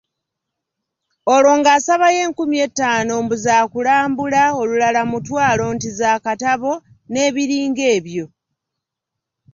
Olwo ng'asabayo enkumi ettaano, mbu zakulambula, olulala mutwalo, nti za katabo n'ebiringa ebyo.